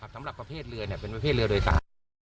สำหรับประเภทเรือเป็นประเภทเรือโดยสาร